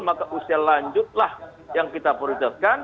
maka usia lanjut lah yang kita perhitungkan